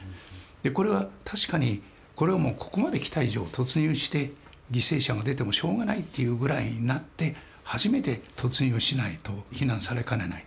これは確かにこれはここまできた以上突入して犠牲者が出てもしょうがないというぐらいになって初めて突入しないと非難されかねない。